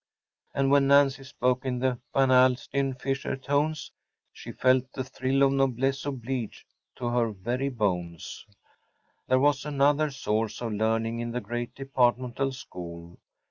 And when Nancy spoke in the Van Alstyne Fisher tones she felt the thrill of noblesse oblige to her very bones. There was another source of learning in the great departmental school.